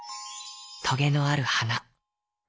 トゲのあるはな。